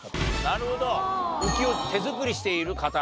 なるほどウキを手作りしている方。